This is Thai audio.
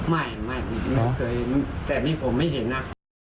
ไม่ไม่เคยแต่นี่ผมไม่เห็นนะ